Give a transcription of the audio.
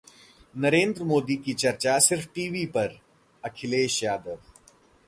नरेंद्र मोदी की चर्चा सिर्फ टीवी पर: अखिलेश यादव